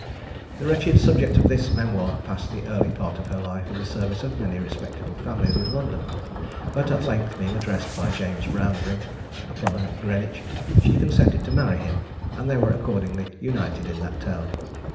The wretched subject of this memoir passed the early part of her life in the service of many respectable families in London; but at length, being addressed by James Brownrigg, a plumber at Greenwich, she consented to marry him; and they were accordingly united in that town.